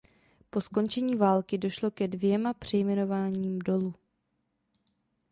Po skončení války došlo k dvěma přejmenováním dolu.